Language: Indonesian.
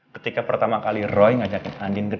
ketika pertama kali roy ngajakin andien ngedit